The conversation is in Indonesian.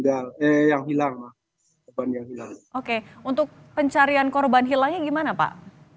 oke untuk pencarian korban hilangnya gimana pak